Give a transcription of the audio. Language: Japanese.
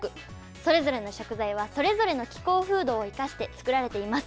それぞれの食材はそれぞれの気候風土を生かして作られています。